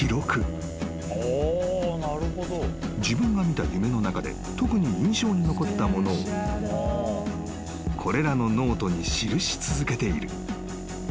［自分が見た夢の中で特に印象に残ったものをこれらのノートに記し続けている］